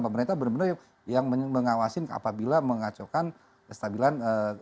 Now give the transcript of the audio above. pemerintah benar benar yang mengawasin apabila mengacaukan kestabilan